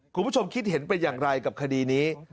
คุณผู้ชมคิดเห็นเป็นอย่างไรกับคดีนี้